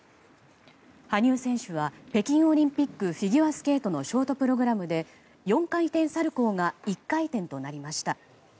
羽生選手は北京オリンピックフィギュアスケートのショートプログラムで４回転サルコウが１回転となりました。